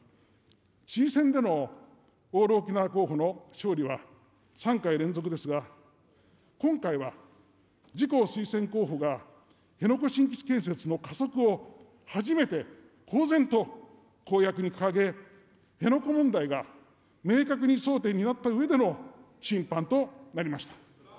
知事選でのオール沖縄候補の勝利は、３回連続ですが、今回は自公推薦候補が辺野古新基地建設の加速を初めて公然と公約に掲げ、辺野古問題が明確に争点になったうえでの審判となりました。